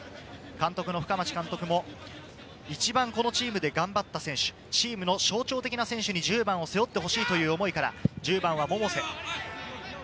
監督の深町監督も、一番このチームで頑張った選手、チームの象徴的な選手に１０番を背負ってほしいという思いから１０番は百瀬。